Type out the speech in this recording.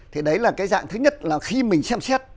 thì đấy là cái dạng thứ nhất là khi mình xem xét